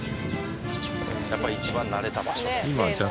「やっぱ一番慣れた場所で」